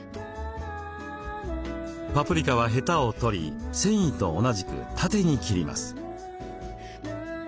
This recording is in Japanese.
パプリカはへたを取り繊維と同じく縦に切ります。